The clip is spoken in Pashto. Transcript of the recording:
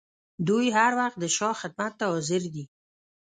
دوی هر وخت د شاه خدمت ته حاضر دي.